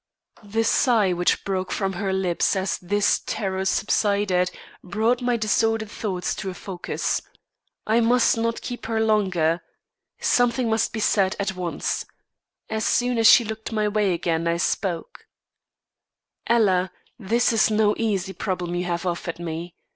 The sigh which broke from her lips as this terror subsided, brought my disordered thoughts to a focus. I must not keep her longer. Something must be said at once. As soon as she looked my way again, I spoke: "Ella, this is no easy problem you have offered me.